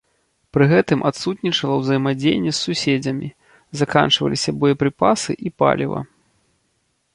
Пры гэтым адсутнічала ўзаемадзеянне з суседзямі, заканчваліся боепрыпасы і паліва.